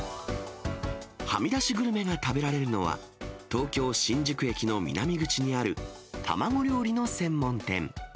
はみ出しグルメが食べられるのは、東京・新宿駅の南口にある、卵料理の専門店。